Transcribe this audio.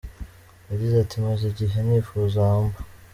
Yagize ati “Maze igihe nifuza Uber.